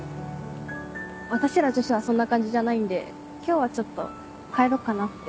私ら女子はそんな感じじゃないんで今日はちょっと帰ろっかなって。